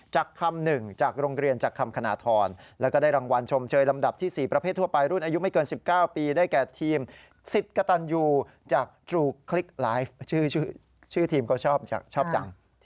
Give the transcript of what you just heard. ชื่อทีมก็ชอบจังทีมศิษย์กระตานยาวุนะฮะ